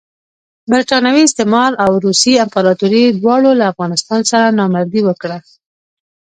برټانوي استعمار او روسي امپراطوري دواړو له افغانستان سره نامردي وکړه.